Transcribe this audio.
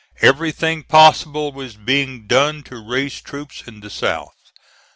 Everything possible was being done to raise troops in the South.